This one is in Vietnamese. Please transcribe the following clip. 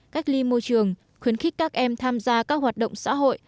cách ly môi trường khuyến khích các em tham gia các hoạt động xã hội